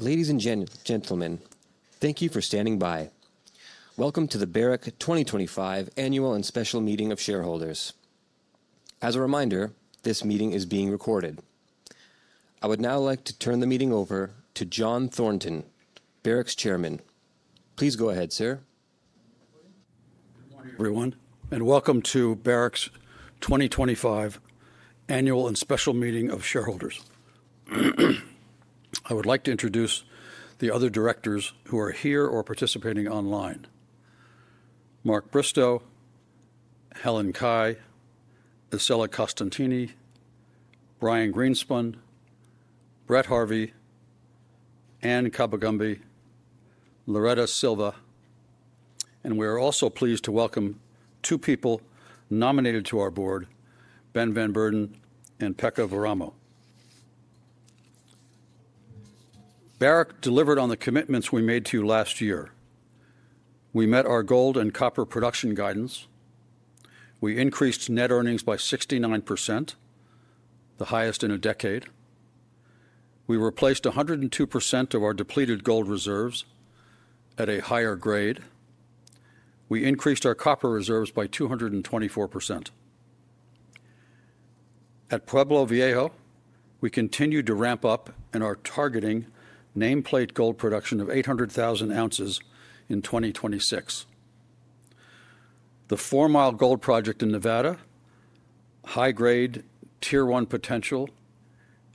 Ladies and gentlemen, thank you for standing by. Welcome to the Barrick 2025 Annual and Special Meeting of Shareholders. As a reminder, this meeting is being recorded. I would now like to turn the meeting over to John Thornton, Barrick's Chairman. Please go ahead, sir. Good morning, everyone, and welcome to Barrick's 2025 Annual and Special Meeting of Shareholders. I would like to introduce the other directors who are here or participating online: Mark Bristow, Helen Cai, Isela Costantini, Brian Greenspun, Brett Harvey, Anne Kabagambe, Loreto Silva. We are also pleased to welcome two people nominated to our board, Ben van Beurden and Pekka Vauramo. Barrick delivered on the commitments we made to you last year. We met our gold and copper production guidance. We increased net earnings by 69%, the highest in a decade. We replaced 102% of our depleted gold reserves at a higher grade. We increased our copper reserves by 224%. At Pueblo Viejo, we continue to ramp up and are targeting nameplate gold production of 800,000 ounces in 2026. The Fourmile Gold Project in Nevada, high grade, tier one potential,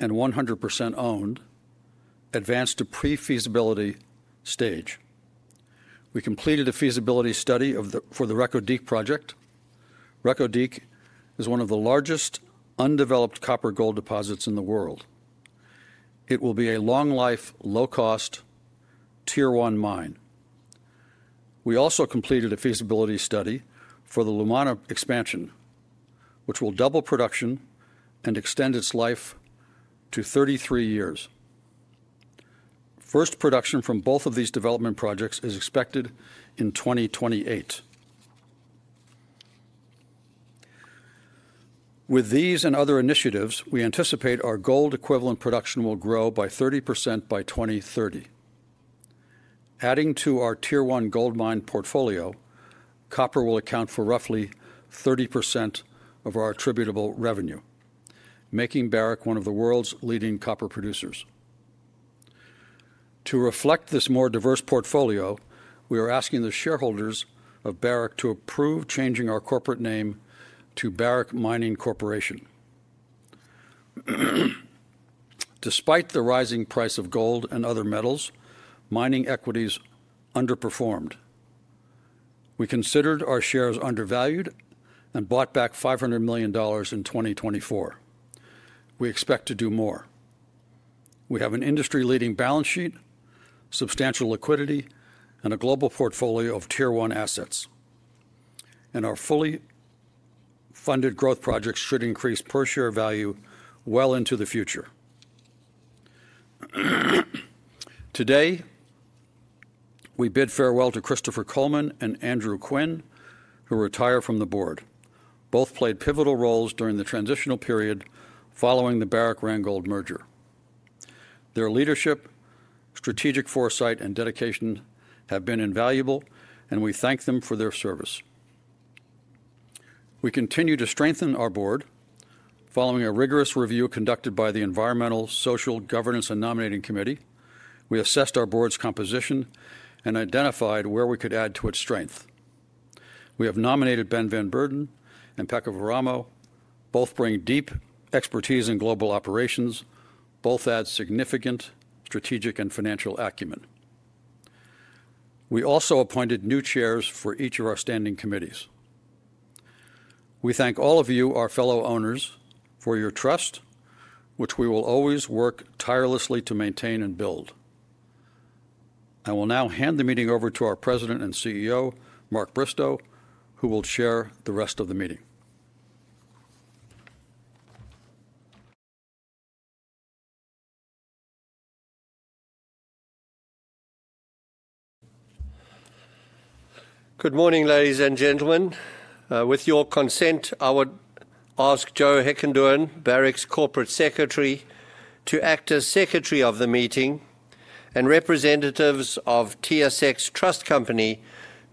and 100% owned, advanced to pre-feasibility stage. We completed a feasibility study for the Reko Diq project. Reko Diq is one of the largest undeveloped copper gold deposits in the world. It will be a long-life, low-cost, tier one mine. We also completed a feasibility study for the Lumwana expansion, which will double production and extend its life to 33 years. First production from both of these development projects is expected in 2028. With these and other initiatives, we anticipate our gold equivalent production will grow by 30% by 2030. Adding to our tier one gold mine portfolio, copper will account for roughly 30% of our attributable revenue, making Barrick one of the world's leading copper producers. To reflect this more diverse portfolio, we are asking the shareholders of Barrick to approve changing our corporate name to Barrick Mining Corporation. Despite the rising price of gold and other metals, mining equities underperformed. We considered our shares undervalued and bought back $500 million in 2024. We expect to do more. We have an industry-leading balance sheet, substantial liquidity, and a global portfolio of tier one assets. Our fully funded growth projects should increase per share value well into the future. Today, we bid farewell to Christopher Coleman and Andrew Quinn, who retired from the board. Both played pivotal roles during the transitional period following the Barrick-Randgold merger. Their leadership, strategic foresight, and dedication have been invaluable, and we thank them for their service. We continue to strengthen our board. Following a rigorous review conducted by the Environmental, Social, Governance, and Nominating Committee, we assessed our board's composition and identified where we could add to its strength. We have nominated Ben van Beurden and Pekka Vauramo. Both bring deep expertise in global operations. Both add significant strategic and financial acumen. We also appointed new chairs for each of our standing committees. We thank all of you, our fellow owners, for your trust, which we will always work tirelessly to maintain and build. I will now hand the meeting over to our President and CEO, Mark Bristow, who will chair the rest of the meeting. Good morning, ladies and gentlemen. With your consent, I would ask Joe Heckendorn, Barrick's Corporate Secretary, to act as Secretary of the Meeting, and representatives of TSX Trust Company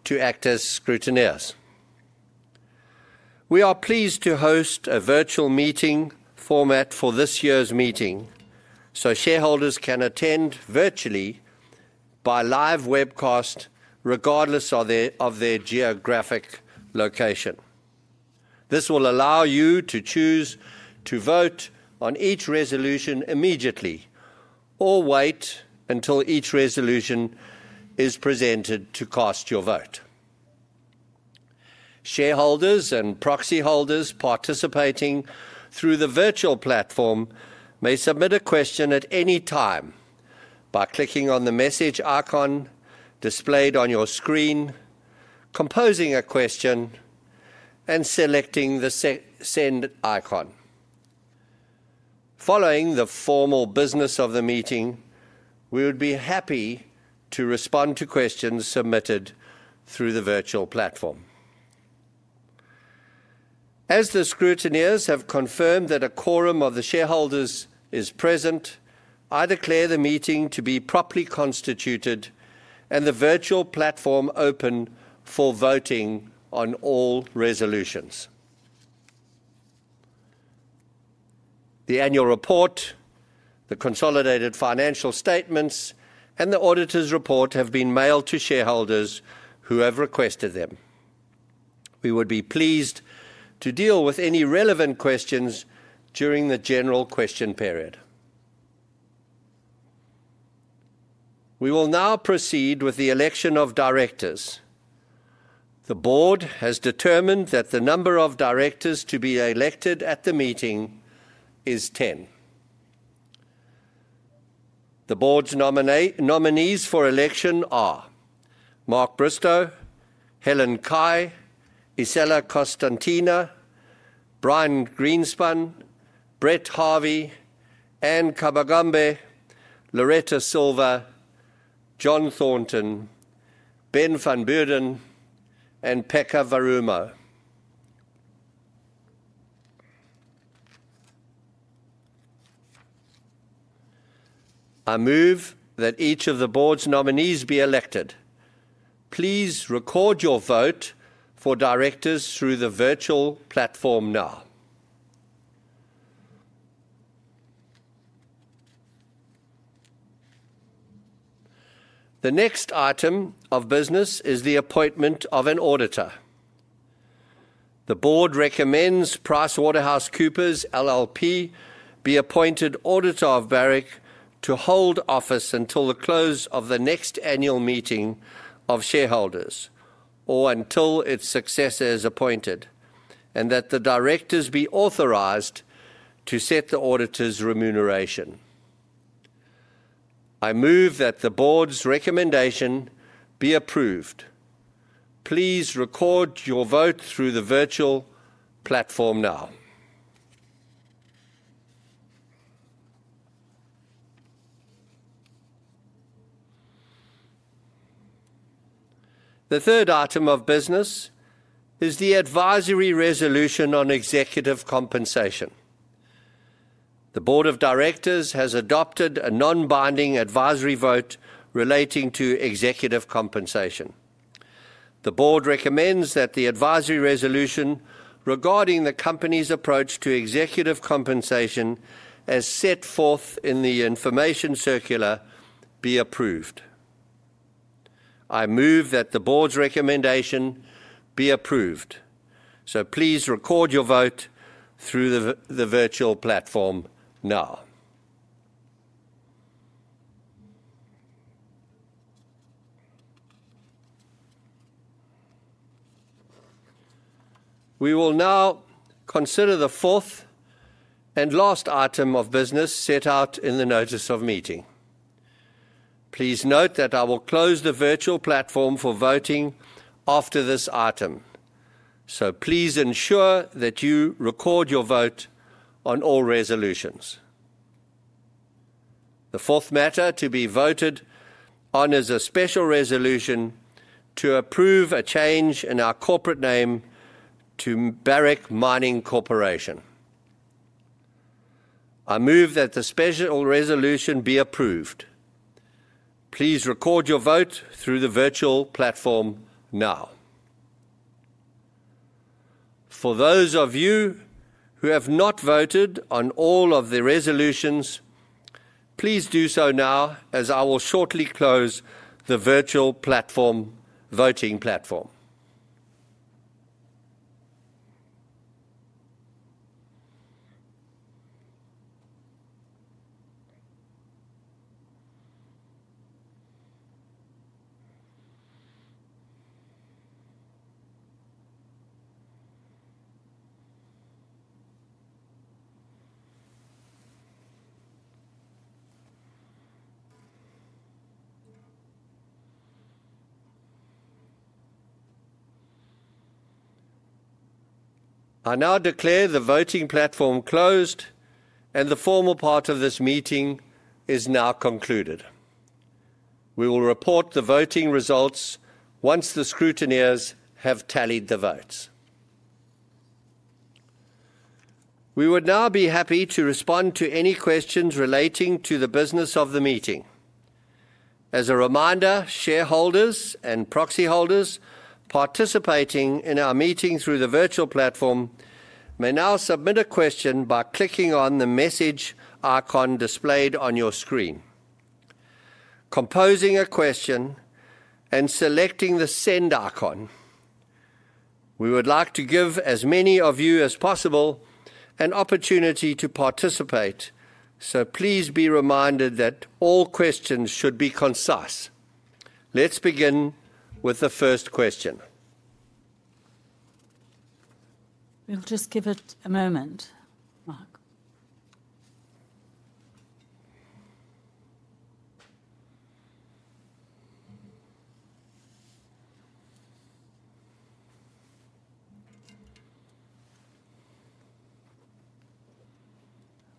to act as scrutineers. We are pleased to host a virtual meeting format for this year's meeting so shareholders can attend virtually by live webcast, regardless of their geographic location. This will allow you to choose to vote on each resolution immediately or wait until each resolution is presented to cast your vote. Shareholders and proxy holders participating through the virtual platform may submit a question at any time by clicking on the message icon displayed on your screen, composing a question, and selecting the Send icon. Following the formal business of the meeting, we would be happy to respond to questions submitted through the virtual platform. As the scrutineers have confirmed that a quorum of the shareholders is present, I declare the meeting to be properly constituted, and the virtual platform open for voting on all resolutions. The annual report, the consolidated financial statements, and the auditor's report have been mailed to shareholders who have requested them. We would be pleased to deal with any relevant questions during the general question period. We will now proceed with the election of directors. The board has determined that the number of directors to be elected at the meeting is 10. The board's nominees for election are Mark Bristow, Helen Cai, Isela Costantini, Brian Greenspun, Brett Harvey, Anne Kabagambe, Loreto Silva, John Thornton, Ben van Beurden, and Pekka Vauramo. I move that each of the board's nominees be elected. Please record your vote for directors through the virtual platform now. The next item of business is the appointment of an auditor. The board recommends PricewaterhouseCoopers LLP be appointed auditor of Barrick to hold office until the close of the next annual meeting of shareholders or until its successor is appointed, and that the directors be authorized to set the auditor's remuneration. I move that the board's recommendation be approved. Please record your vote through the virtual platform now. The third item of business is the advisory resolution on executive compensation. The board of directors has adopted a non-binding advisory vote relating to executive compensation. The board recommends that the advisory resolution regarding the company's approach to executive compensation, as set forth in the information circular, be approved. I move that the board's recommendation be approved. Please record your vote through the virtual platform now. We will now consider the fourth and last item of business set out in the notice of meeting. Please note that I will close the virtual platform for voting after this item. Please ensure that you record your vote on all resolutions. The fourth matter to be voted on is a special resolution to approve a change in our corporate name to Barrick Mining Corporation. I move that the special resolution be approved. Please record your vote through the virtual platform now. For those of you who have not voted on all of the resolutions, please do so now as I will shortly close the virtual platform voting platform. I now declare the voting platform closed and the formal part of this meeting is now concluded. We will report the voting results once the Scrutineers have tallied the votes. We would now be happy to respond to any questions relating to the business of the meeting. As a reminder, shareholders and proxy holders participating in our meeting through the virtual platform may now submit a question by clicking on the message icon displayed on your screen, composing a question, and selecting the Send icon. We would like to give as many of you as possible an opportunity to participate. Please be reminded that all questions should be concise. Let's begin with the first question. We'll just give it a moment, Mark.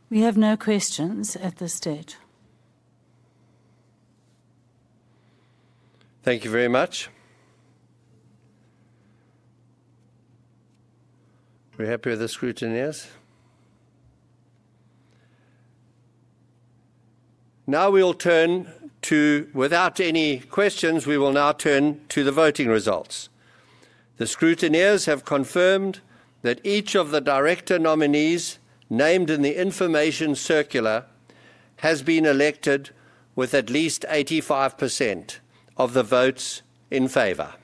We have no questions at this stage. Thank you very much. We're happy with the Scrutineers. Now we'll turn to, without any questions, we will now turn to the voting results. The Scrutineers have confirmed that each of the director nominees named in the information circular has been elected with at least 85% of the votes in favor.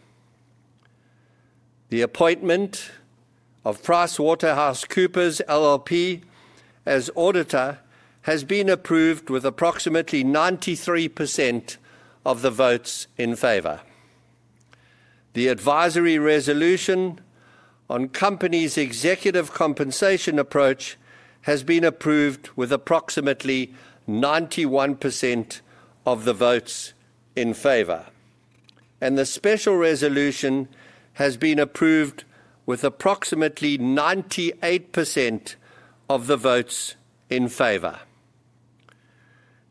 The appointment of PricewaterhouseCoopers LLP as auditor has been approved with approximately 93% of the votes in favor. The advisory resolution on company's executive compensation approach has been approved with approximately 91% of the votes in favor. The special resolution has been approved with approximately 98% of the votes in favor.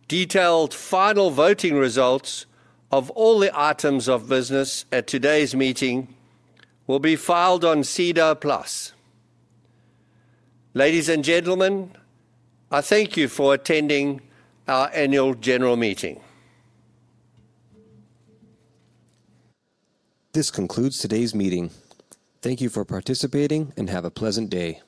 Detailed final voting results of all the items of business at today's meeting will be filed on SEDAR+. Ladies and gentlemen, I thank you for attending our annual general meeting. This concludes today's meeting. Thank you for participating and have a pleasant day.